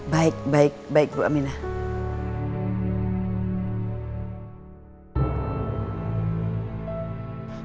baik baik bu aminah